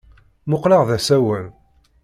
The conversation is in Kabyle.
Mmuqqleɣ d asawen.